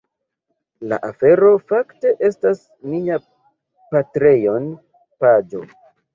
La afero fakte estas mia Patreon paĝo